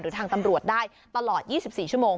ทางตำรวจได้ตลอด๒๔ชั่วโมง